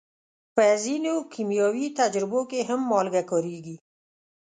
په ځینو کیمیاوي تجربو کې هم مالګه کارېږي.